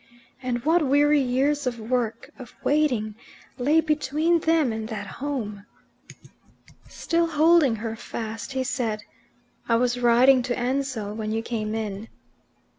And what weary years of work, of waiting, lay between them and that home! Still holding her fast, he said, "I was writing to Ansell when you came in."